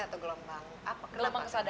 atau gelombang apa